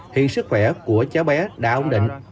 hiện sức khỏe của cháu bé đã ổn định